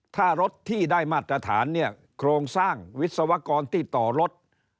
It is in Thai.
ถ้ารถที่ได้มาตรฐานเนี่ยโครงสร้างวิศวกรที่ต่อรถ